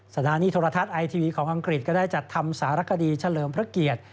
สถานีโทรทัศน์ไอทีวีของอังกฤษก็ได้จัดทำสารคดีเฉลิมพระเกียรติ